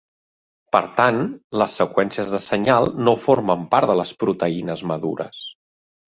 Per tant, les seqüències de senyal no formen part de les proteïnes madures.